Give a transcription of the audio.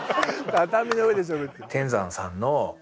畳の上でしゃべってる。